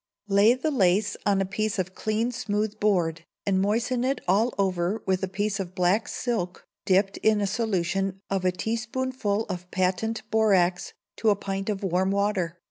Lay the lace on a piece of clean smooth board, and moisten it all over with a piece of black silk dipped in a solution of a teaspoonful of Patent Borax to a pint of warm water.